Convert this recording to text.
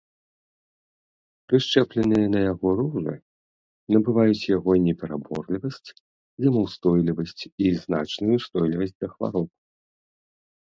Прышчэпленыя на яго ружы набываюць яго непераборлівасць, зімаўстойлівасць і значную ўстойлівасць да хвароб.